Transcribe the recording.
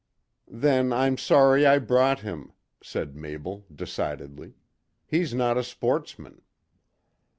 "Then I'm sorry I brought him," said Mabel decidedly. "He's not a sportsman."